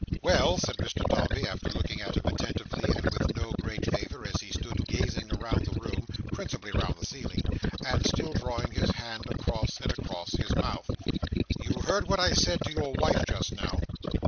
"Well," said Mr Dombey, after looking at him attentively, and with no great favour, as he stood gazing round the room (principally round the ceiling) and still drawing his hand across and across his mouth. "You heard what I said to your wife just now?"